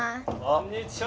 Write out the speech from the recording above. こんにちは！